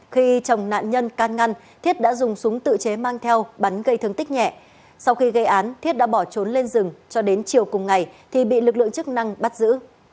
khi chồng nạn nhân can ngăn thiết đã dùng súng tự chế mang theo bắn gây thương tích nhẹ sau khi gây án thiết đã bỏ trốn lên rừng cho đến chiều cùng ngày thì bị lực lượng chức năng bắt giữ